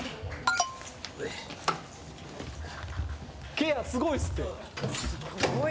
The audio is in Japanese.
ケアすごいんすって。